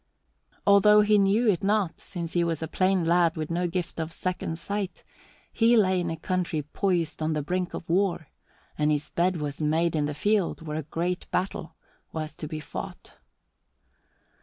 Although he knew it not, since he was a plain lad with no gift of second sight, he lay in a country poised on the brink of war and his bed was made in the field where a great battle was to be fought.